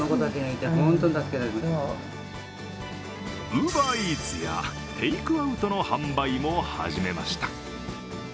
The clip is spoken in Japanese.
ＵｂｅｒＥａｔｓやテイクアウトの販売も始めました。